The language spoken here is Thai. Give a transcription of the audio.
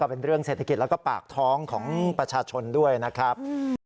เป็นเรื่องเศรษฐกิจแล้วก็ปากท้องของประชาชนด้วยนะครับ